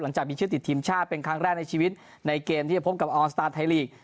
จากมีชื่อติดทีมชาติเป็นครั้งแรกในชีวิตในเกมที่จะพบกับออสตาร์ไทยลีก